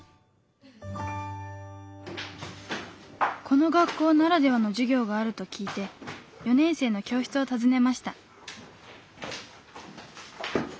この学校ならではの授業があると聞いて４年生の教室を訪ねました。